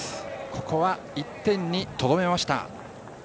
ここは１点にとどめました。